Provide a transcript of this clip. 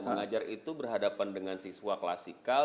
mengajar itu berhadapan dengan siswa klasikal